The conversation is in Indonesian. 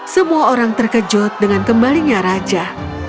semua orang terkejut dengan kembalinya raja